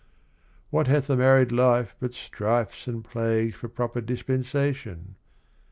What hath the married life but strifes and plagues For proper dispensation?